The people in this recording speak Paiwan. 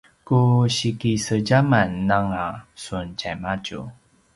ku si kisedjaman anga sun tjaimadju